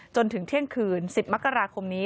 จนถึงเที่ยงคืน๑๐มกราคมนี้